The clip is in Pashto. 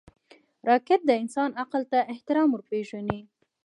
راکټ د انسان عقل ته احترام ورپېژني